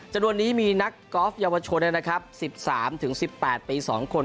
จำนวนนี้มีนักกอล์ฟเยาวชนเองนะครับสิบสามถึงสิบแปดปีสองคน